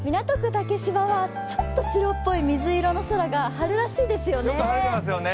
竹芝はちょっと白っぽい水色の空がよく晴れていますよね。